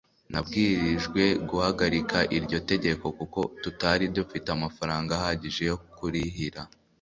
nabwirijwe guhagarika iryo tegeko kuko tutari dufite amafaranga ahagije yo kurihira